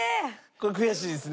これ悔しいですね